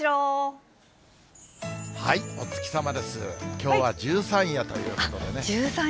きょうは十三夜ということでね。